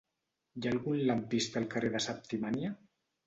Hi ha algun lampista al carrer de Septimània?